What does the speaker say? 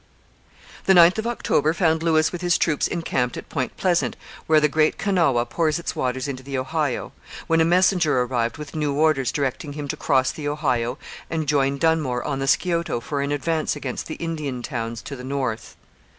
] The 9th of October found Lewis with his troops encamped at Point Pleasant, where the Great Kanawha pours its waters into the Ohio, when a messenger arrived with new orders directing him to cross the Ohio and join Dunmore on the Scioto for an advance against the Indian towns to the north.